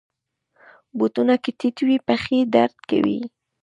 بوټونه که ټیټ وي، پښې درد کوي.